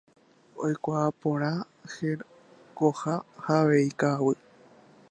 Oikuaa porã hekoha ha avei ka'aguy.